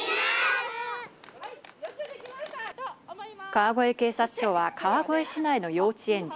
川越警察署は川越市内の幼稚園児